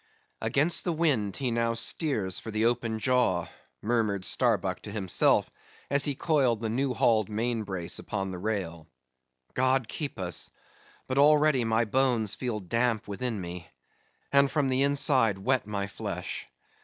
"Against the wind he now steers for the open jaw," murmured Starbuck to himself, as he coiled the new hauled main brace upon the rail. "God keep us, but already my bones feel damp within me, and from the inside wet my flesh.